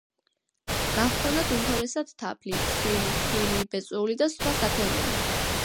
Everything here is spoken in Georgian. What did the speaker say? გაჰქონდათ უმთავრესად თაფლი, ცვილი, ხილი, ბეწვეული და სხვა საქონელი.